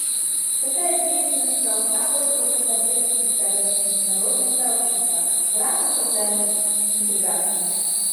Такая деятельность должна пользоваться поддержкой со стороны международного сообщества в рамках социальной интеграции.